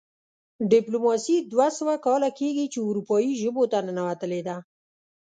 ډیپلوماسي دوه سوه کاله کیږي چې اروپايي ژبو ته ننوتلې ده